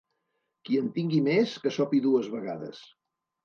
Qui en tingui més, que sopi dues vegades.